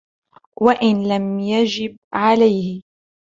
وَإِنْ لَمْ يَجِبْ عَلَيْهِ